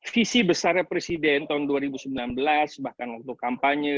visi besarnya presiden tahun dua ribu sembilan belas bahkan waktu kampanye